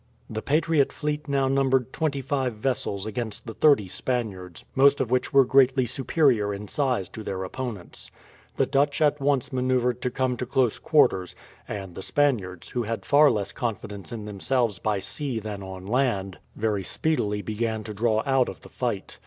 The patriot fleet now numbered twenty five vessels against the thirty Spaniards, most of which were greatly superior in size to their opponents. The Dutch at once maneuvered to come to close quarters, and the Spaniards, who had far less confidence in themselves by sea than on land, very speedily began to draw out of the fight.